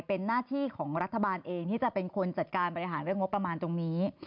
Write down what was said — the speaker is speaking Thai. เป็นหน้าที่ของรัฐบาลเองที่จะเป็นคนจัดการบริหารเรื่องงบประมาณตรงนี้